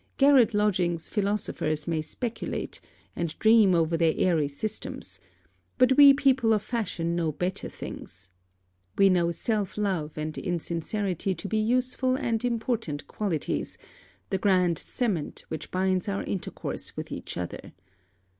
garret lodgings philosophers may speculate, and dream over their airy systems; but we people of fashion know better things. We know self love and insincerity to be useful and important qualities, the grand cement which binds our intercourse with each other.